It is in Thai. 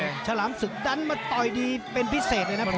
ไอ้เจ้าฉลามศึกดันมาต่อยดีเป็นพิเศษเลยนะผมว่า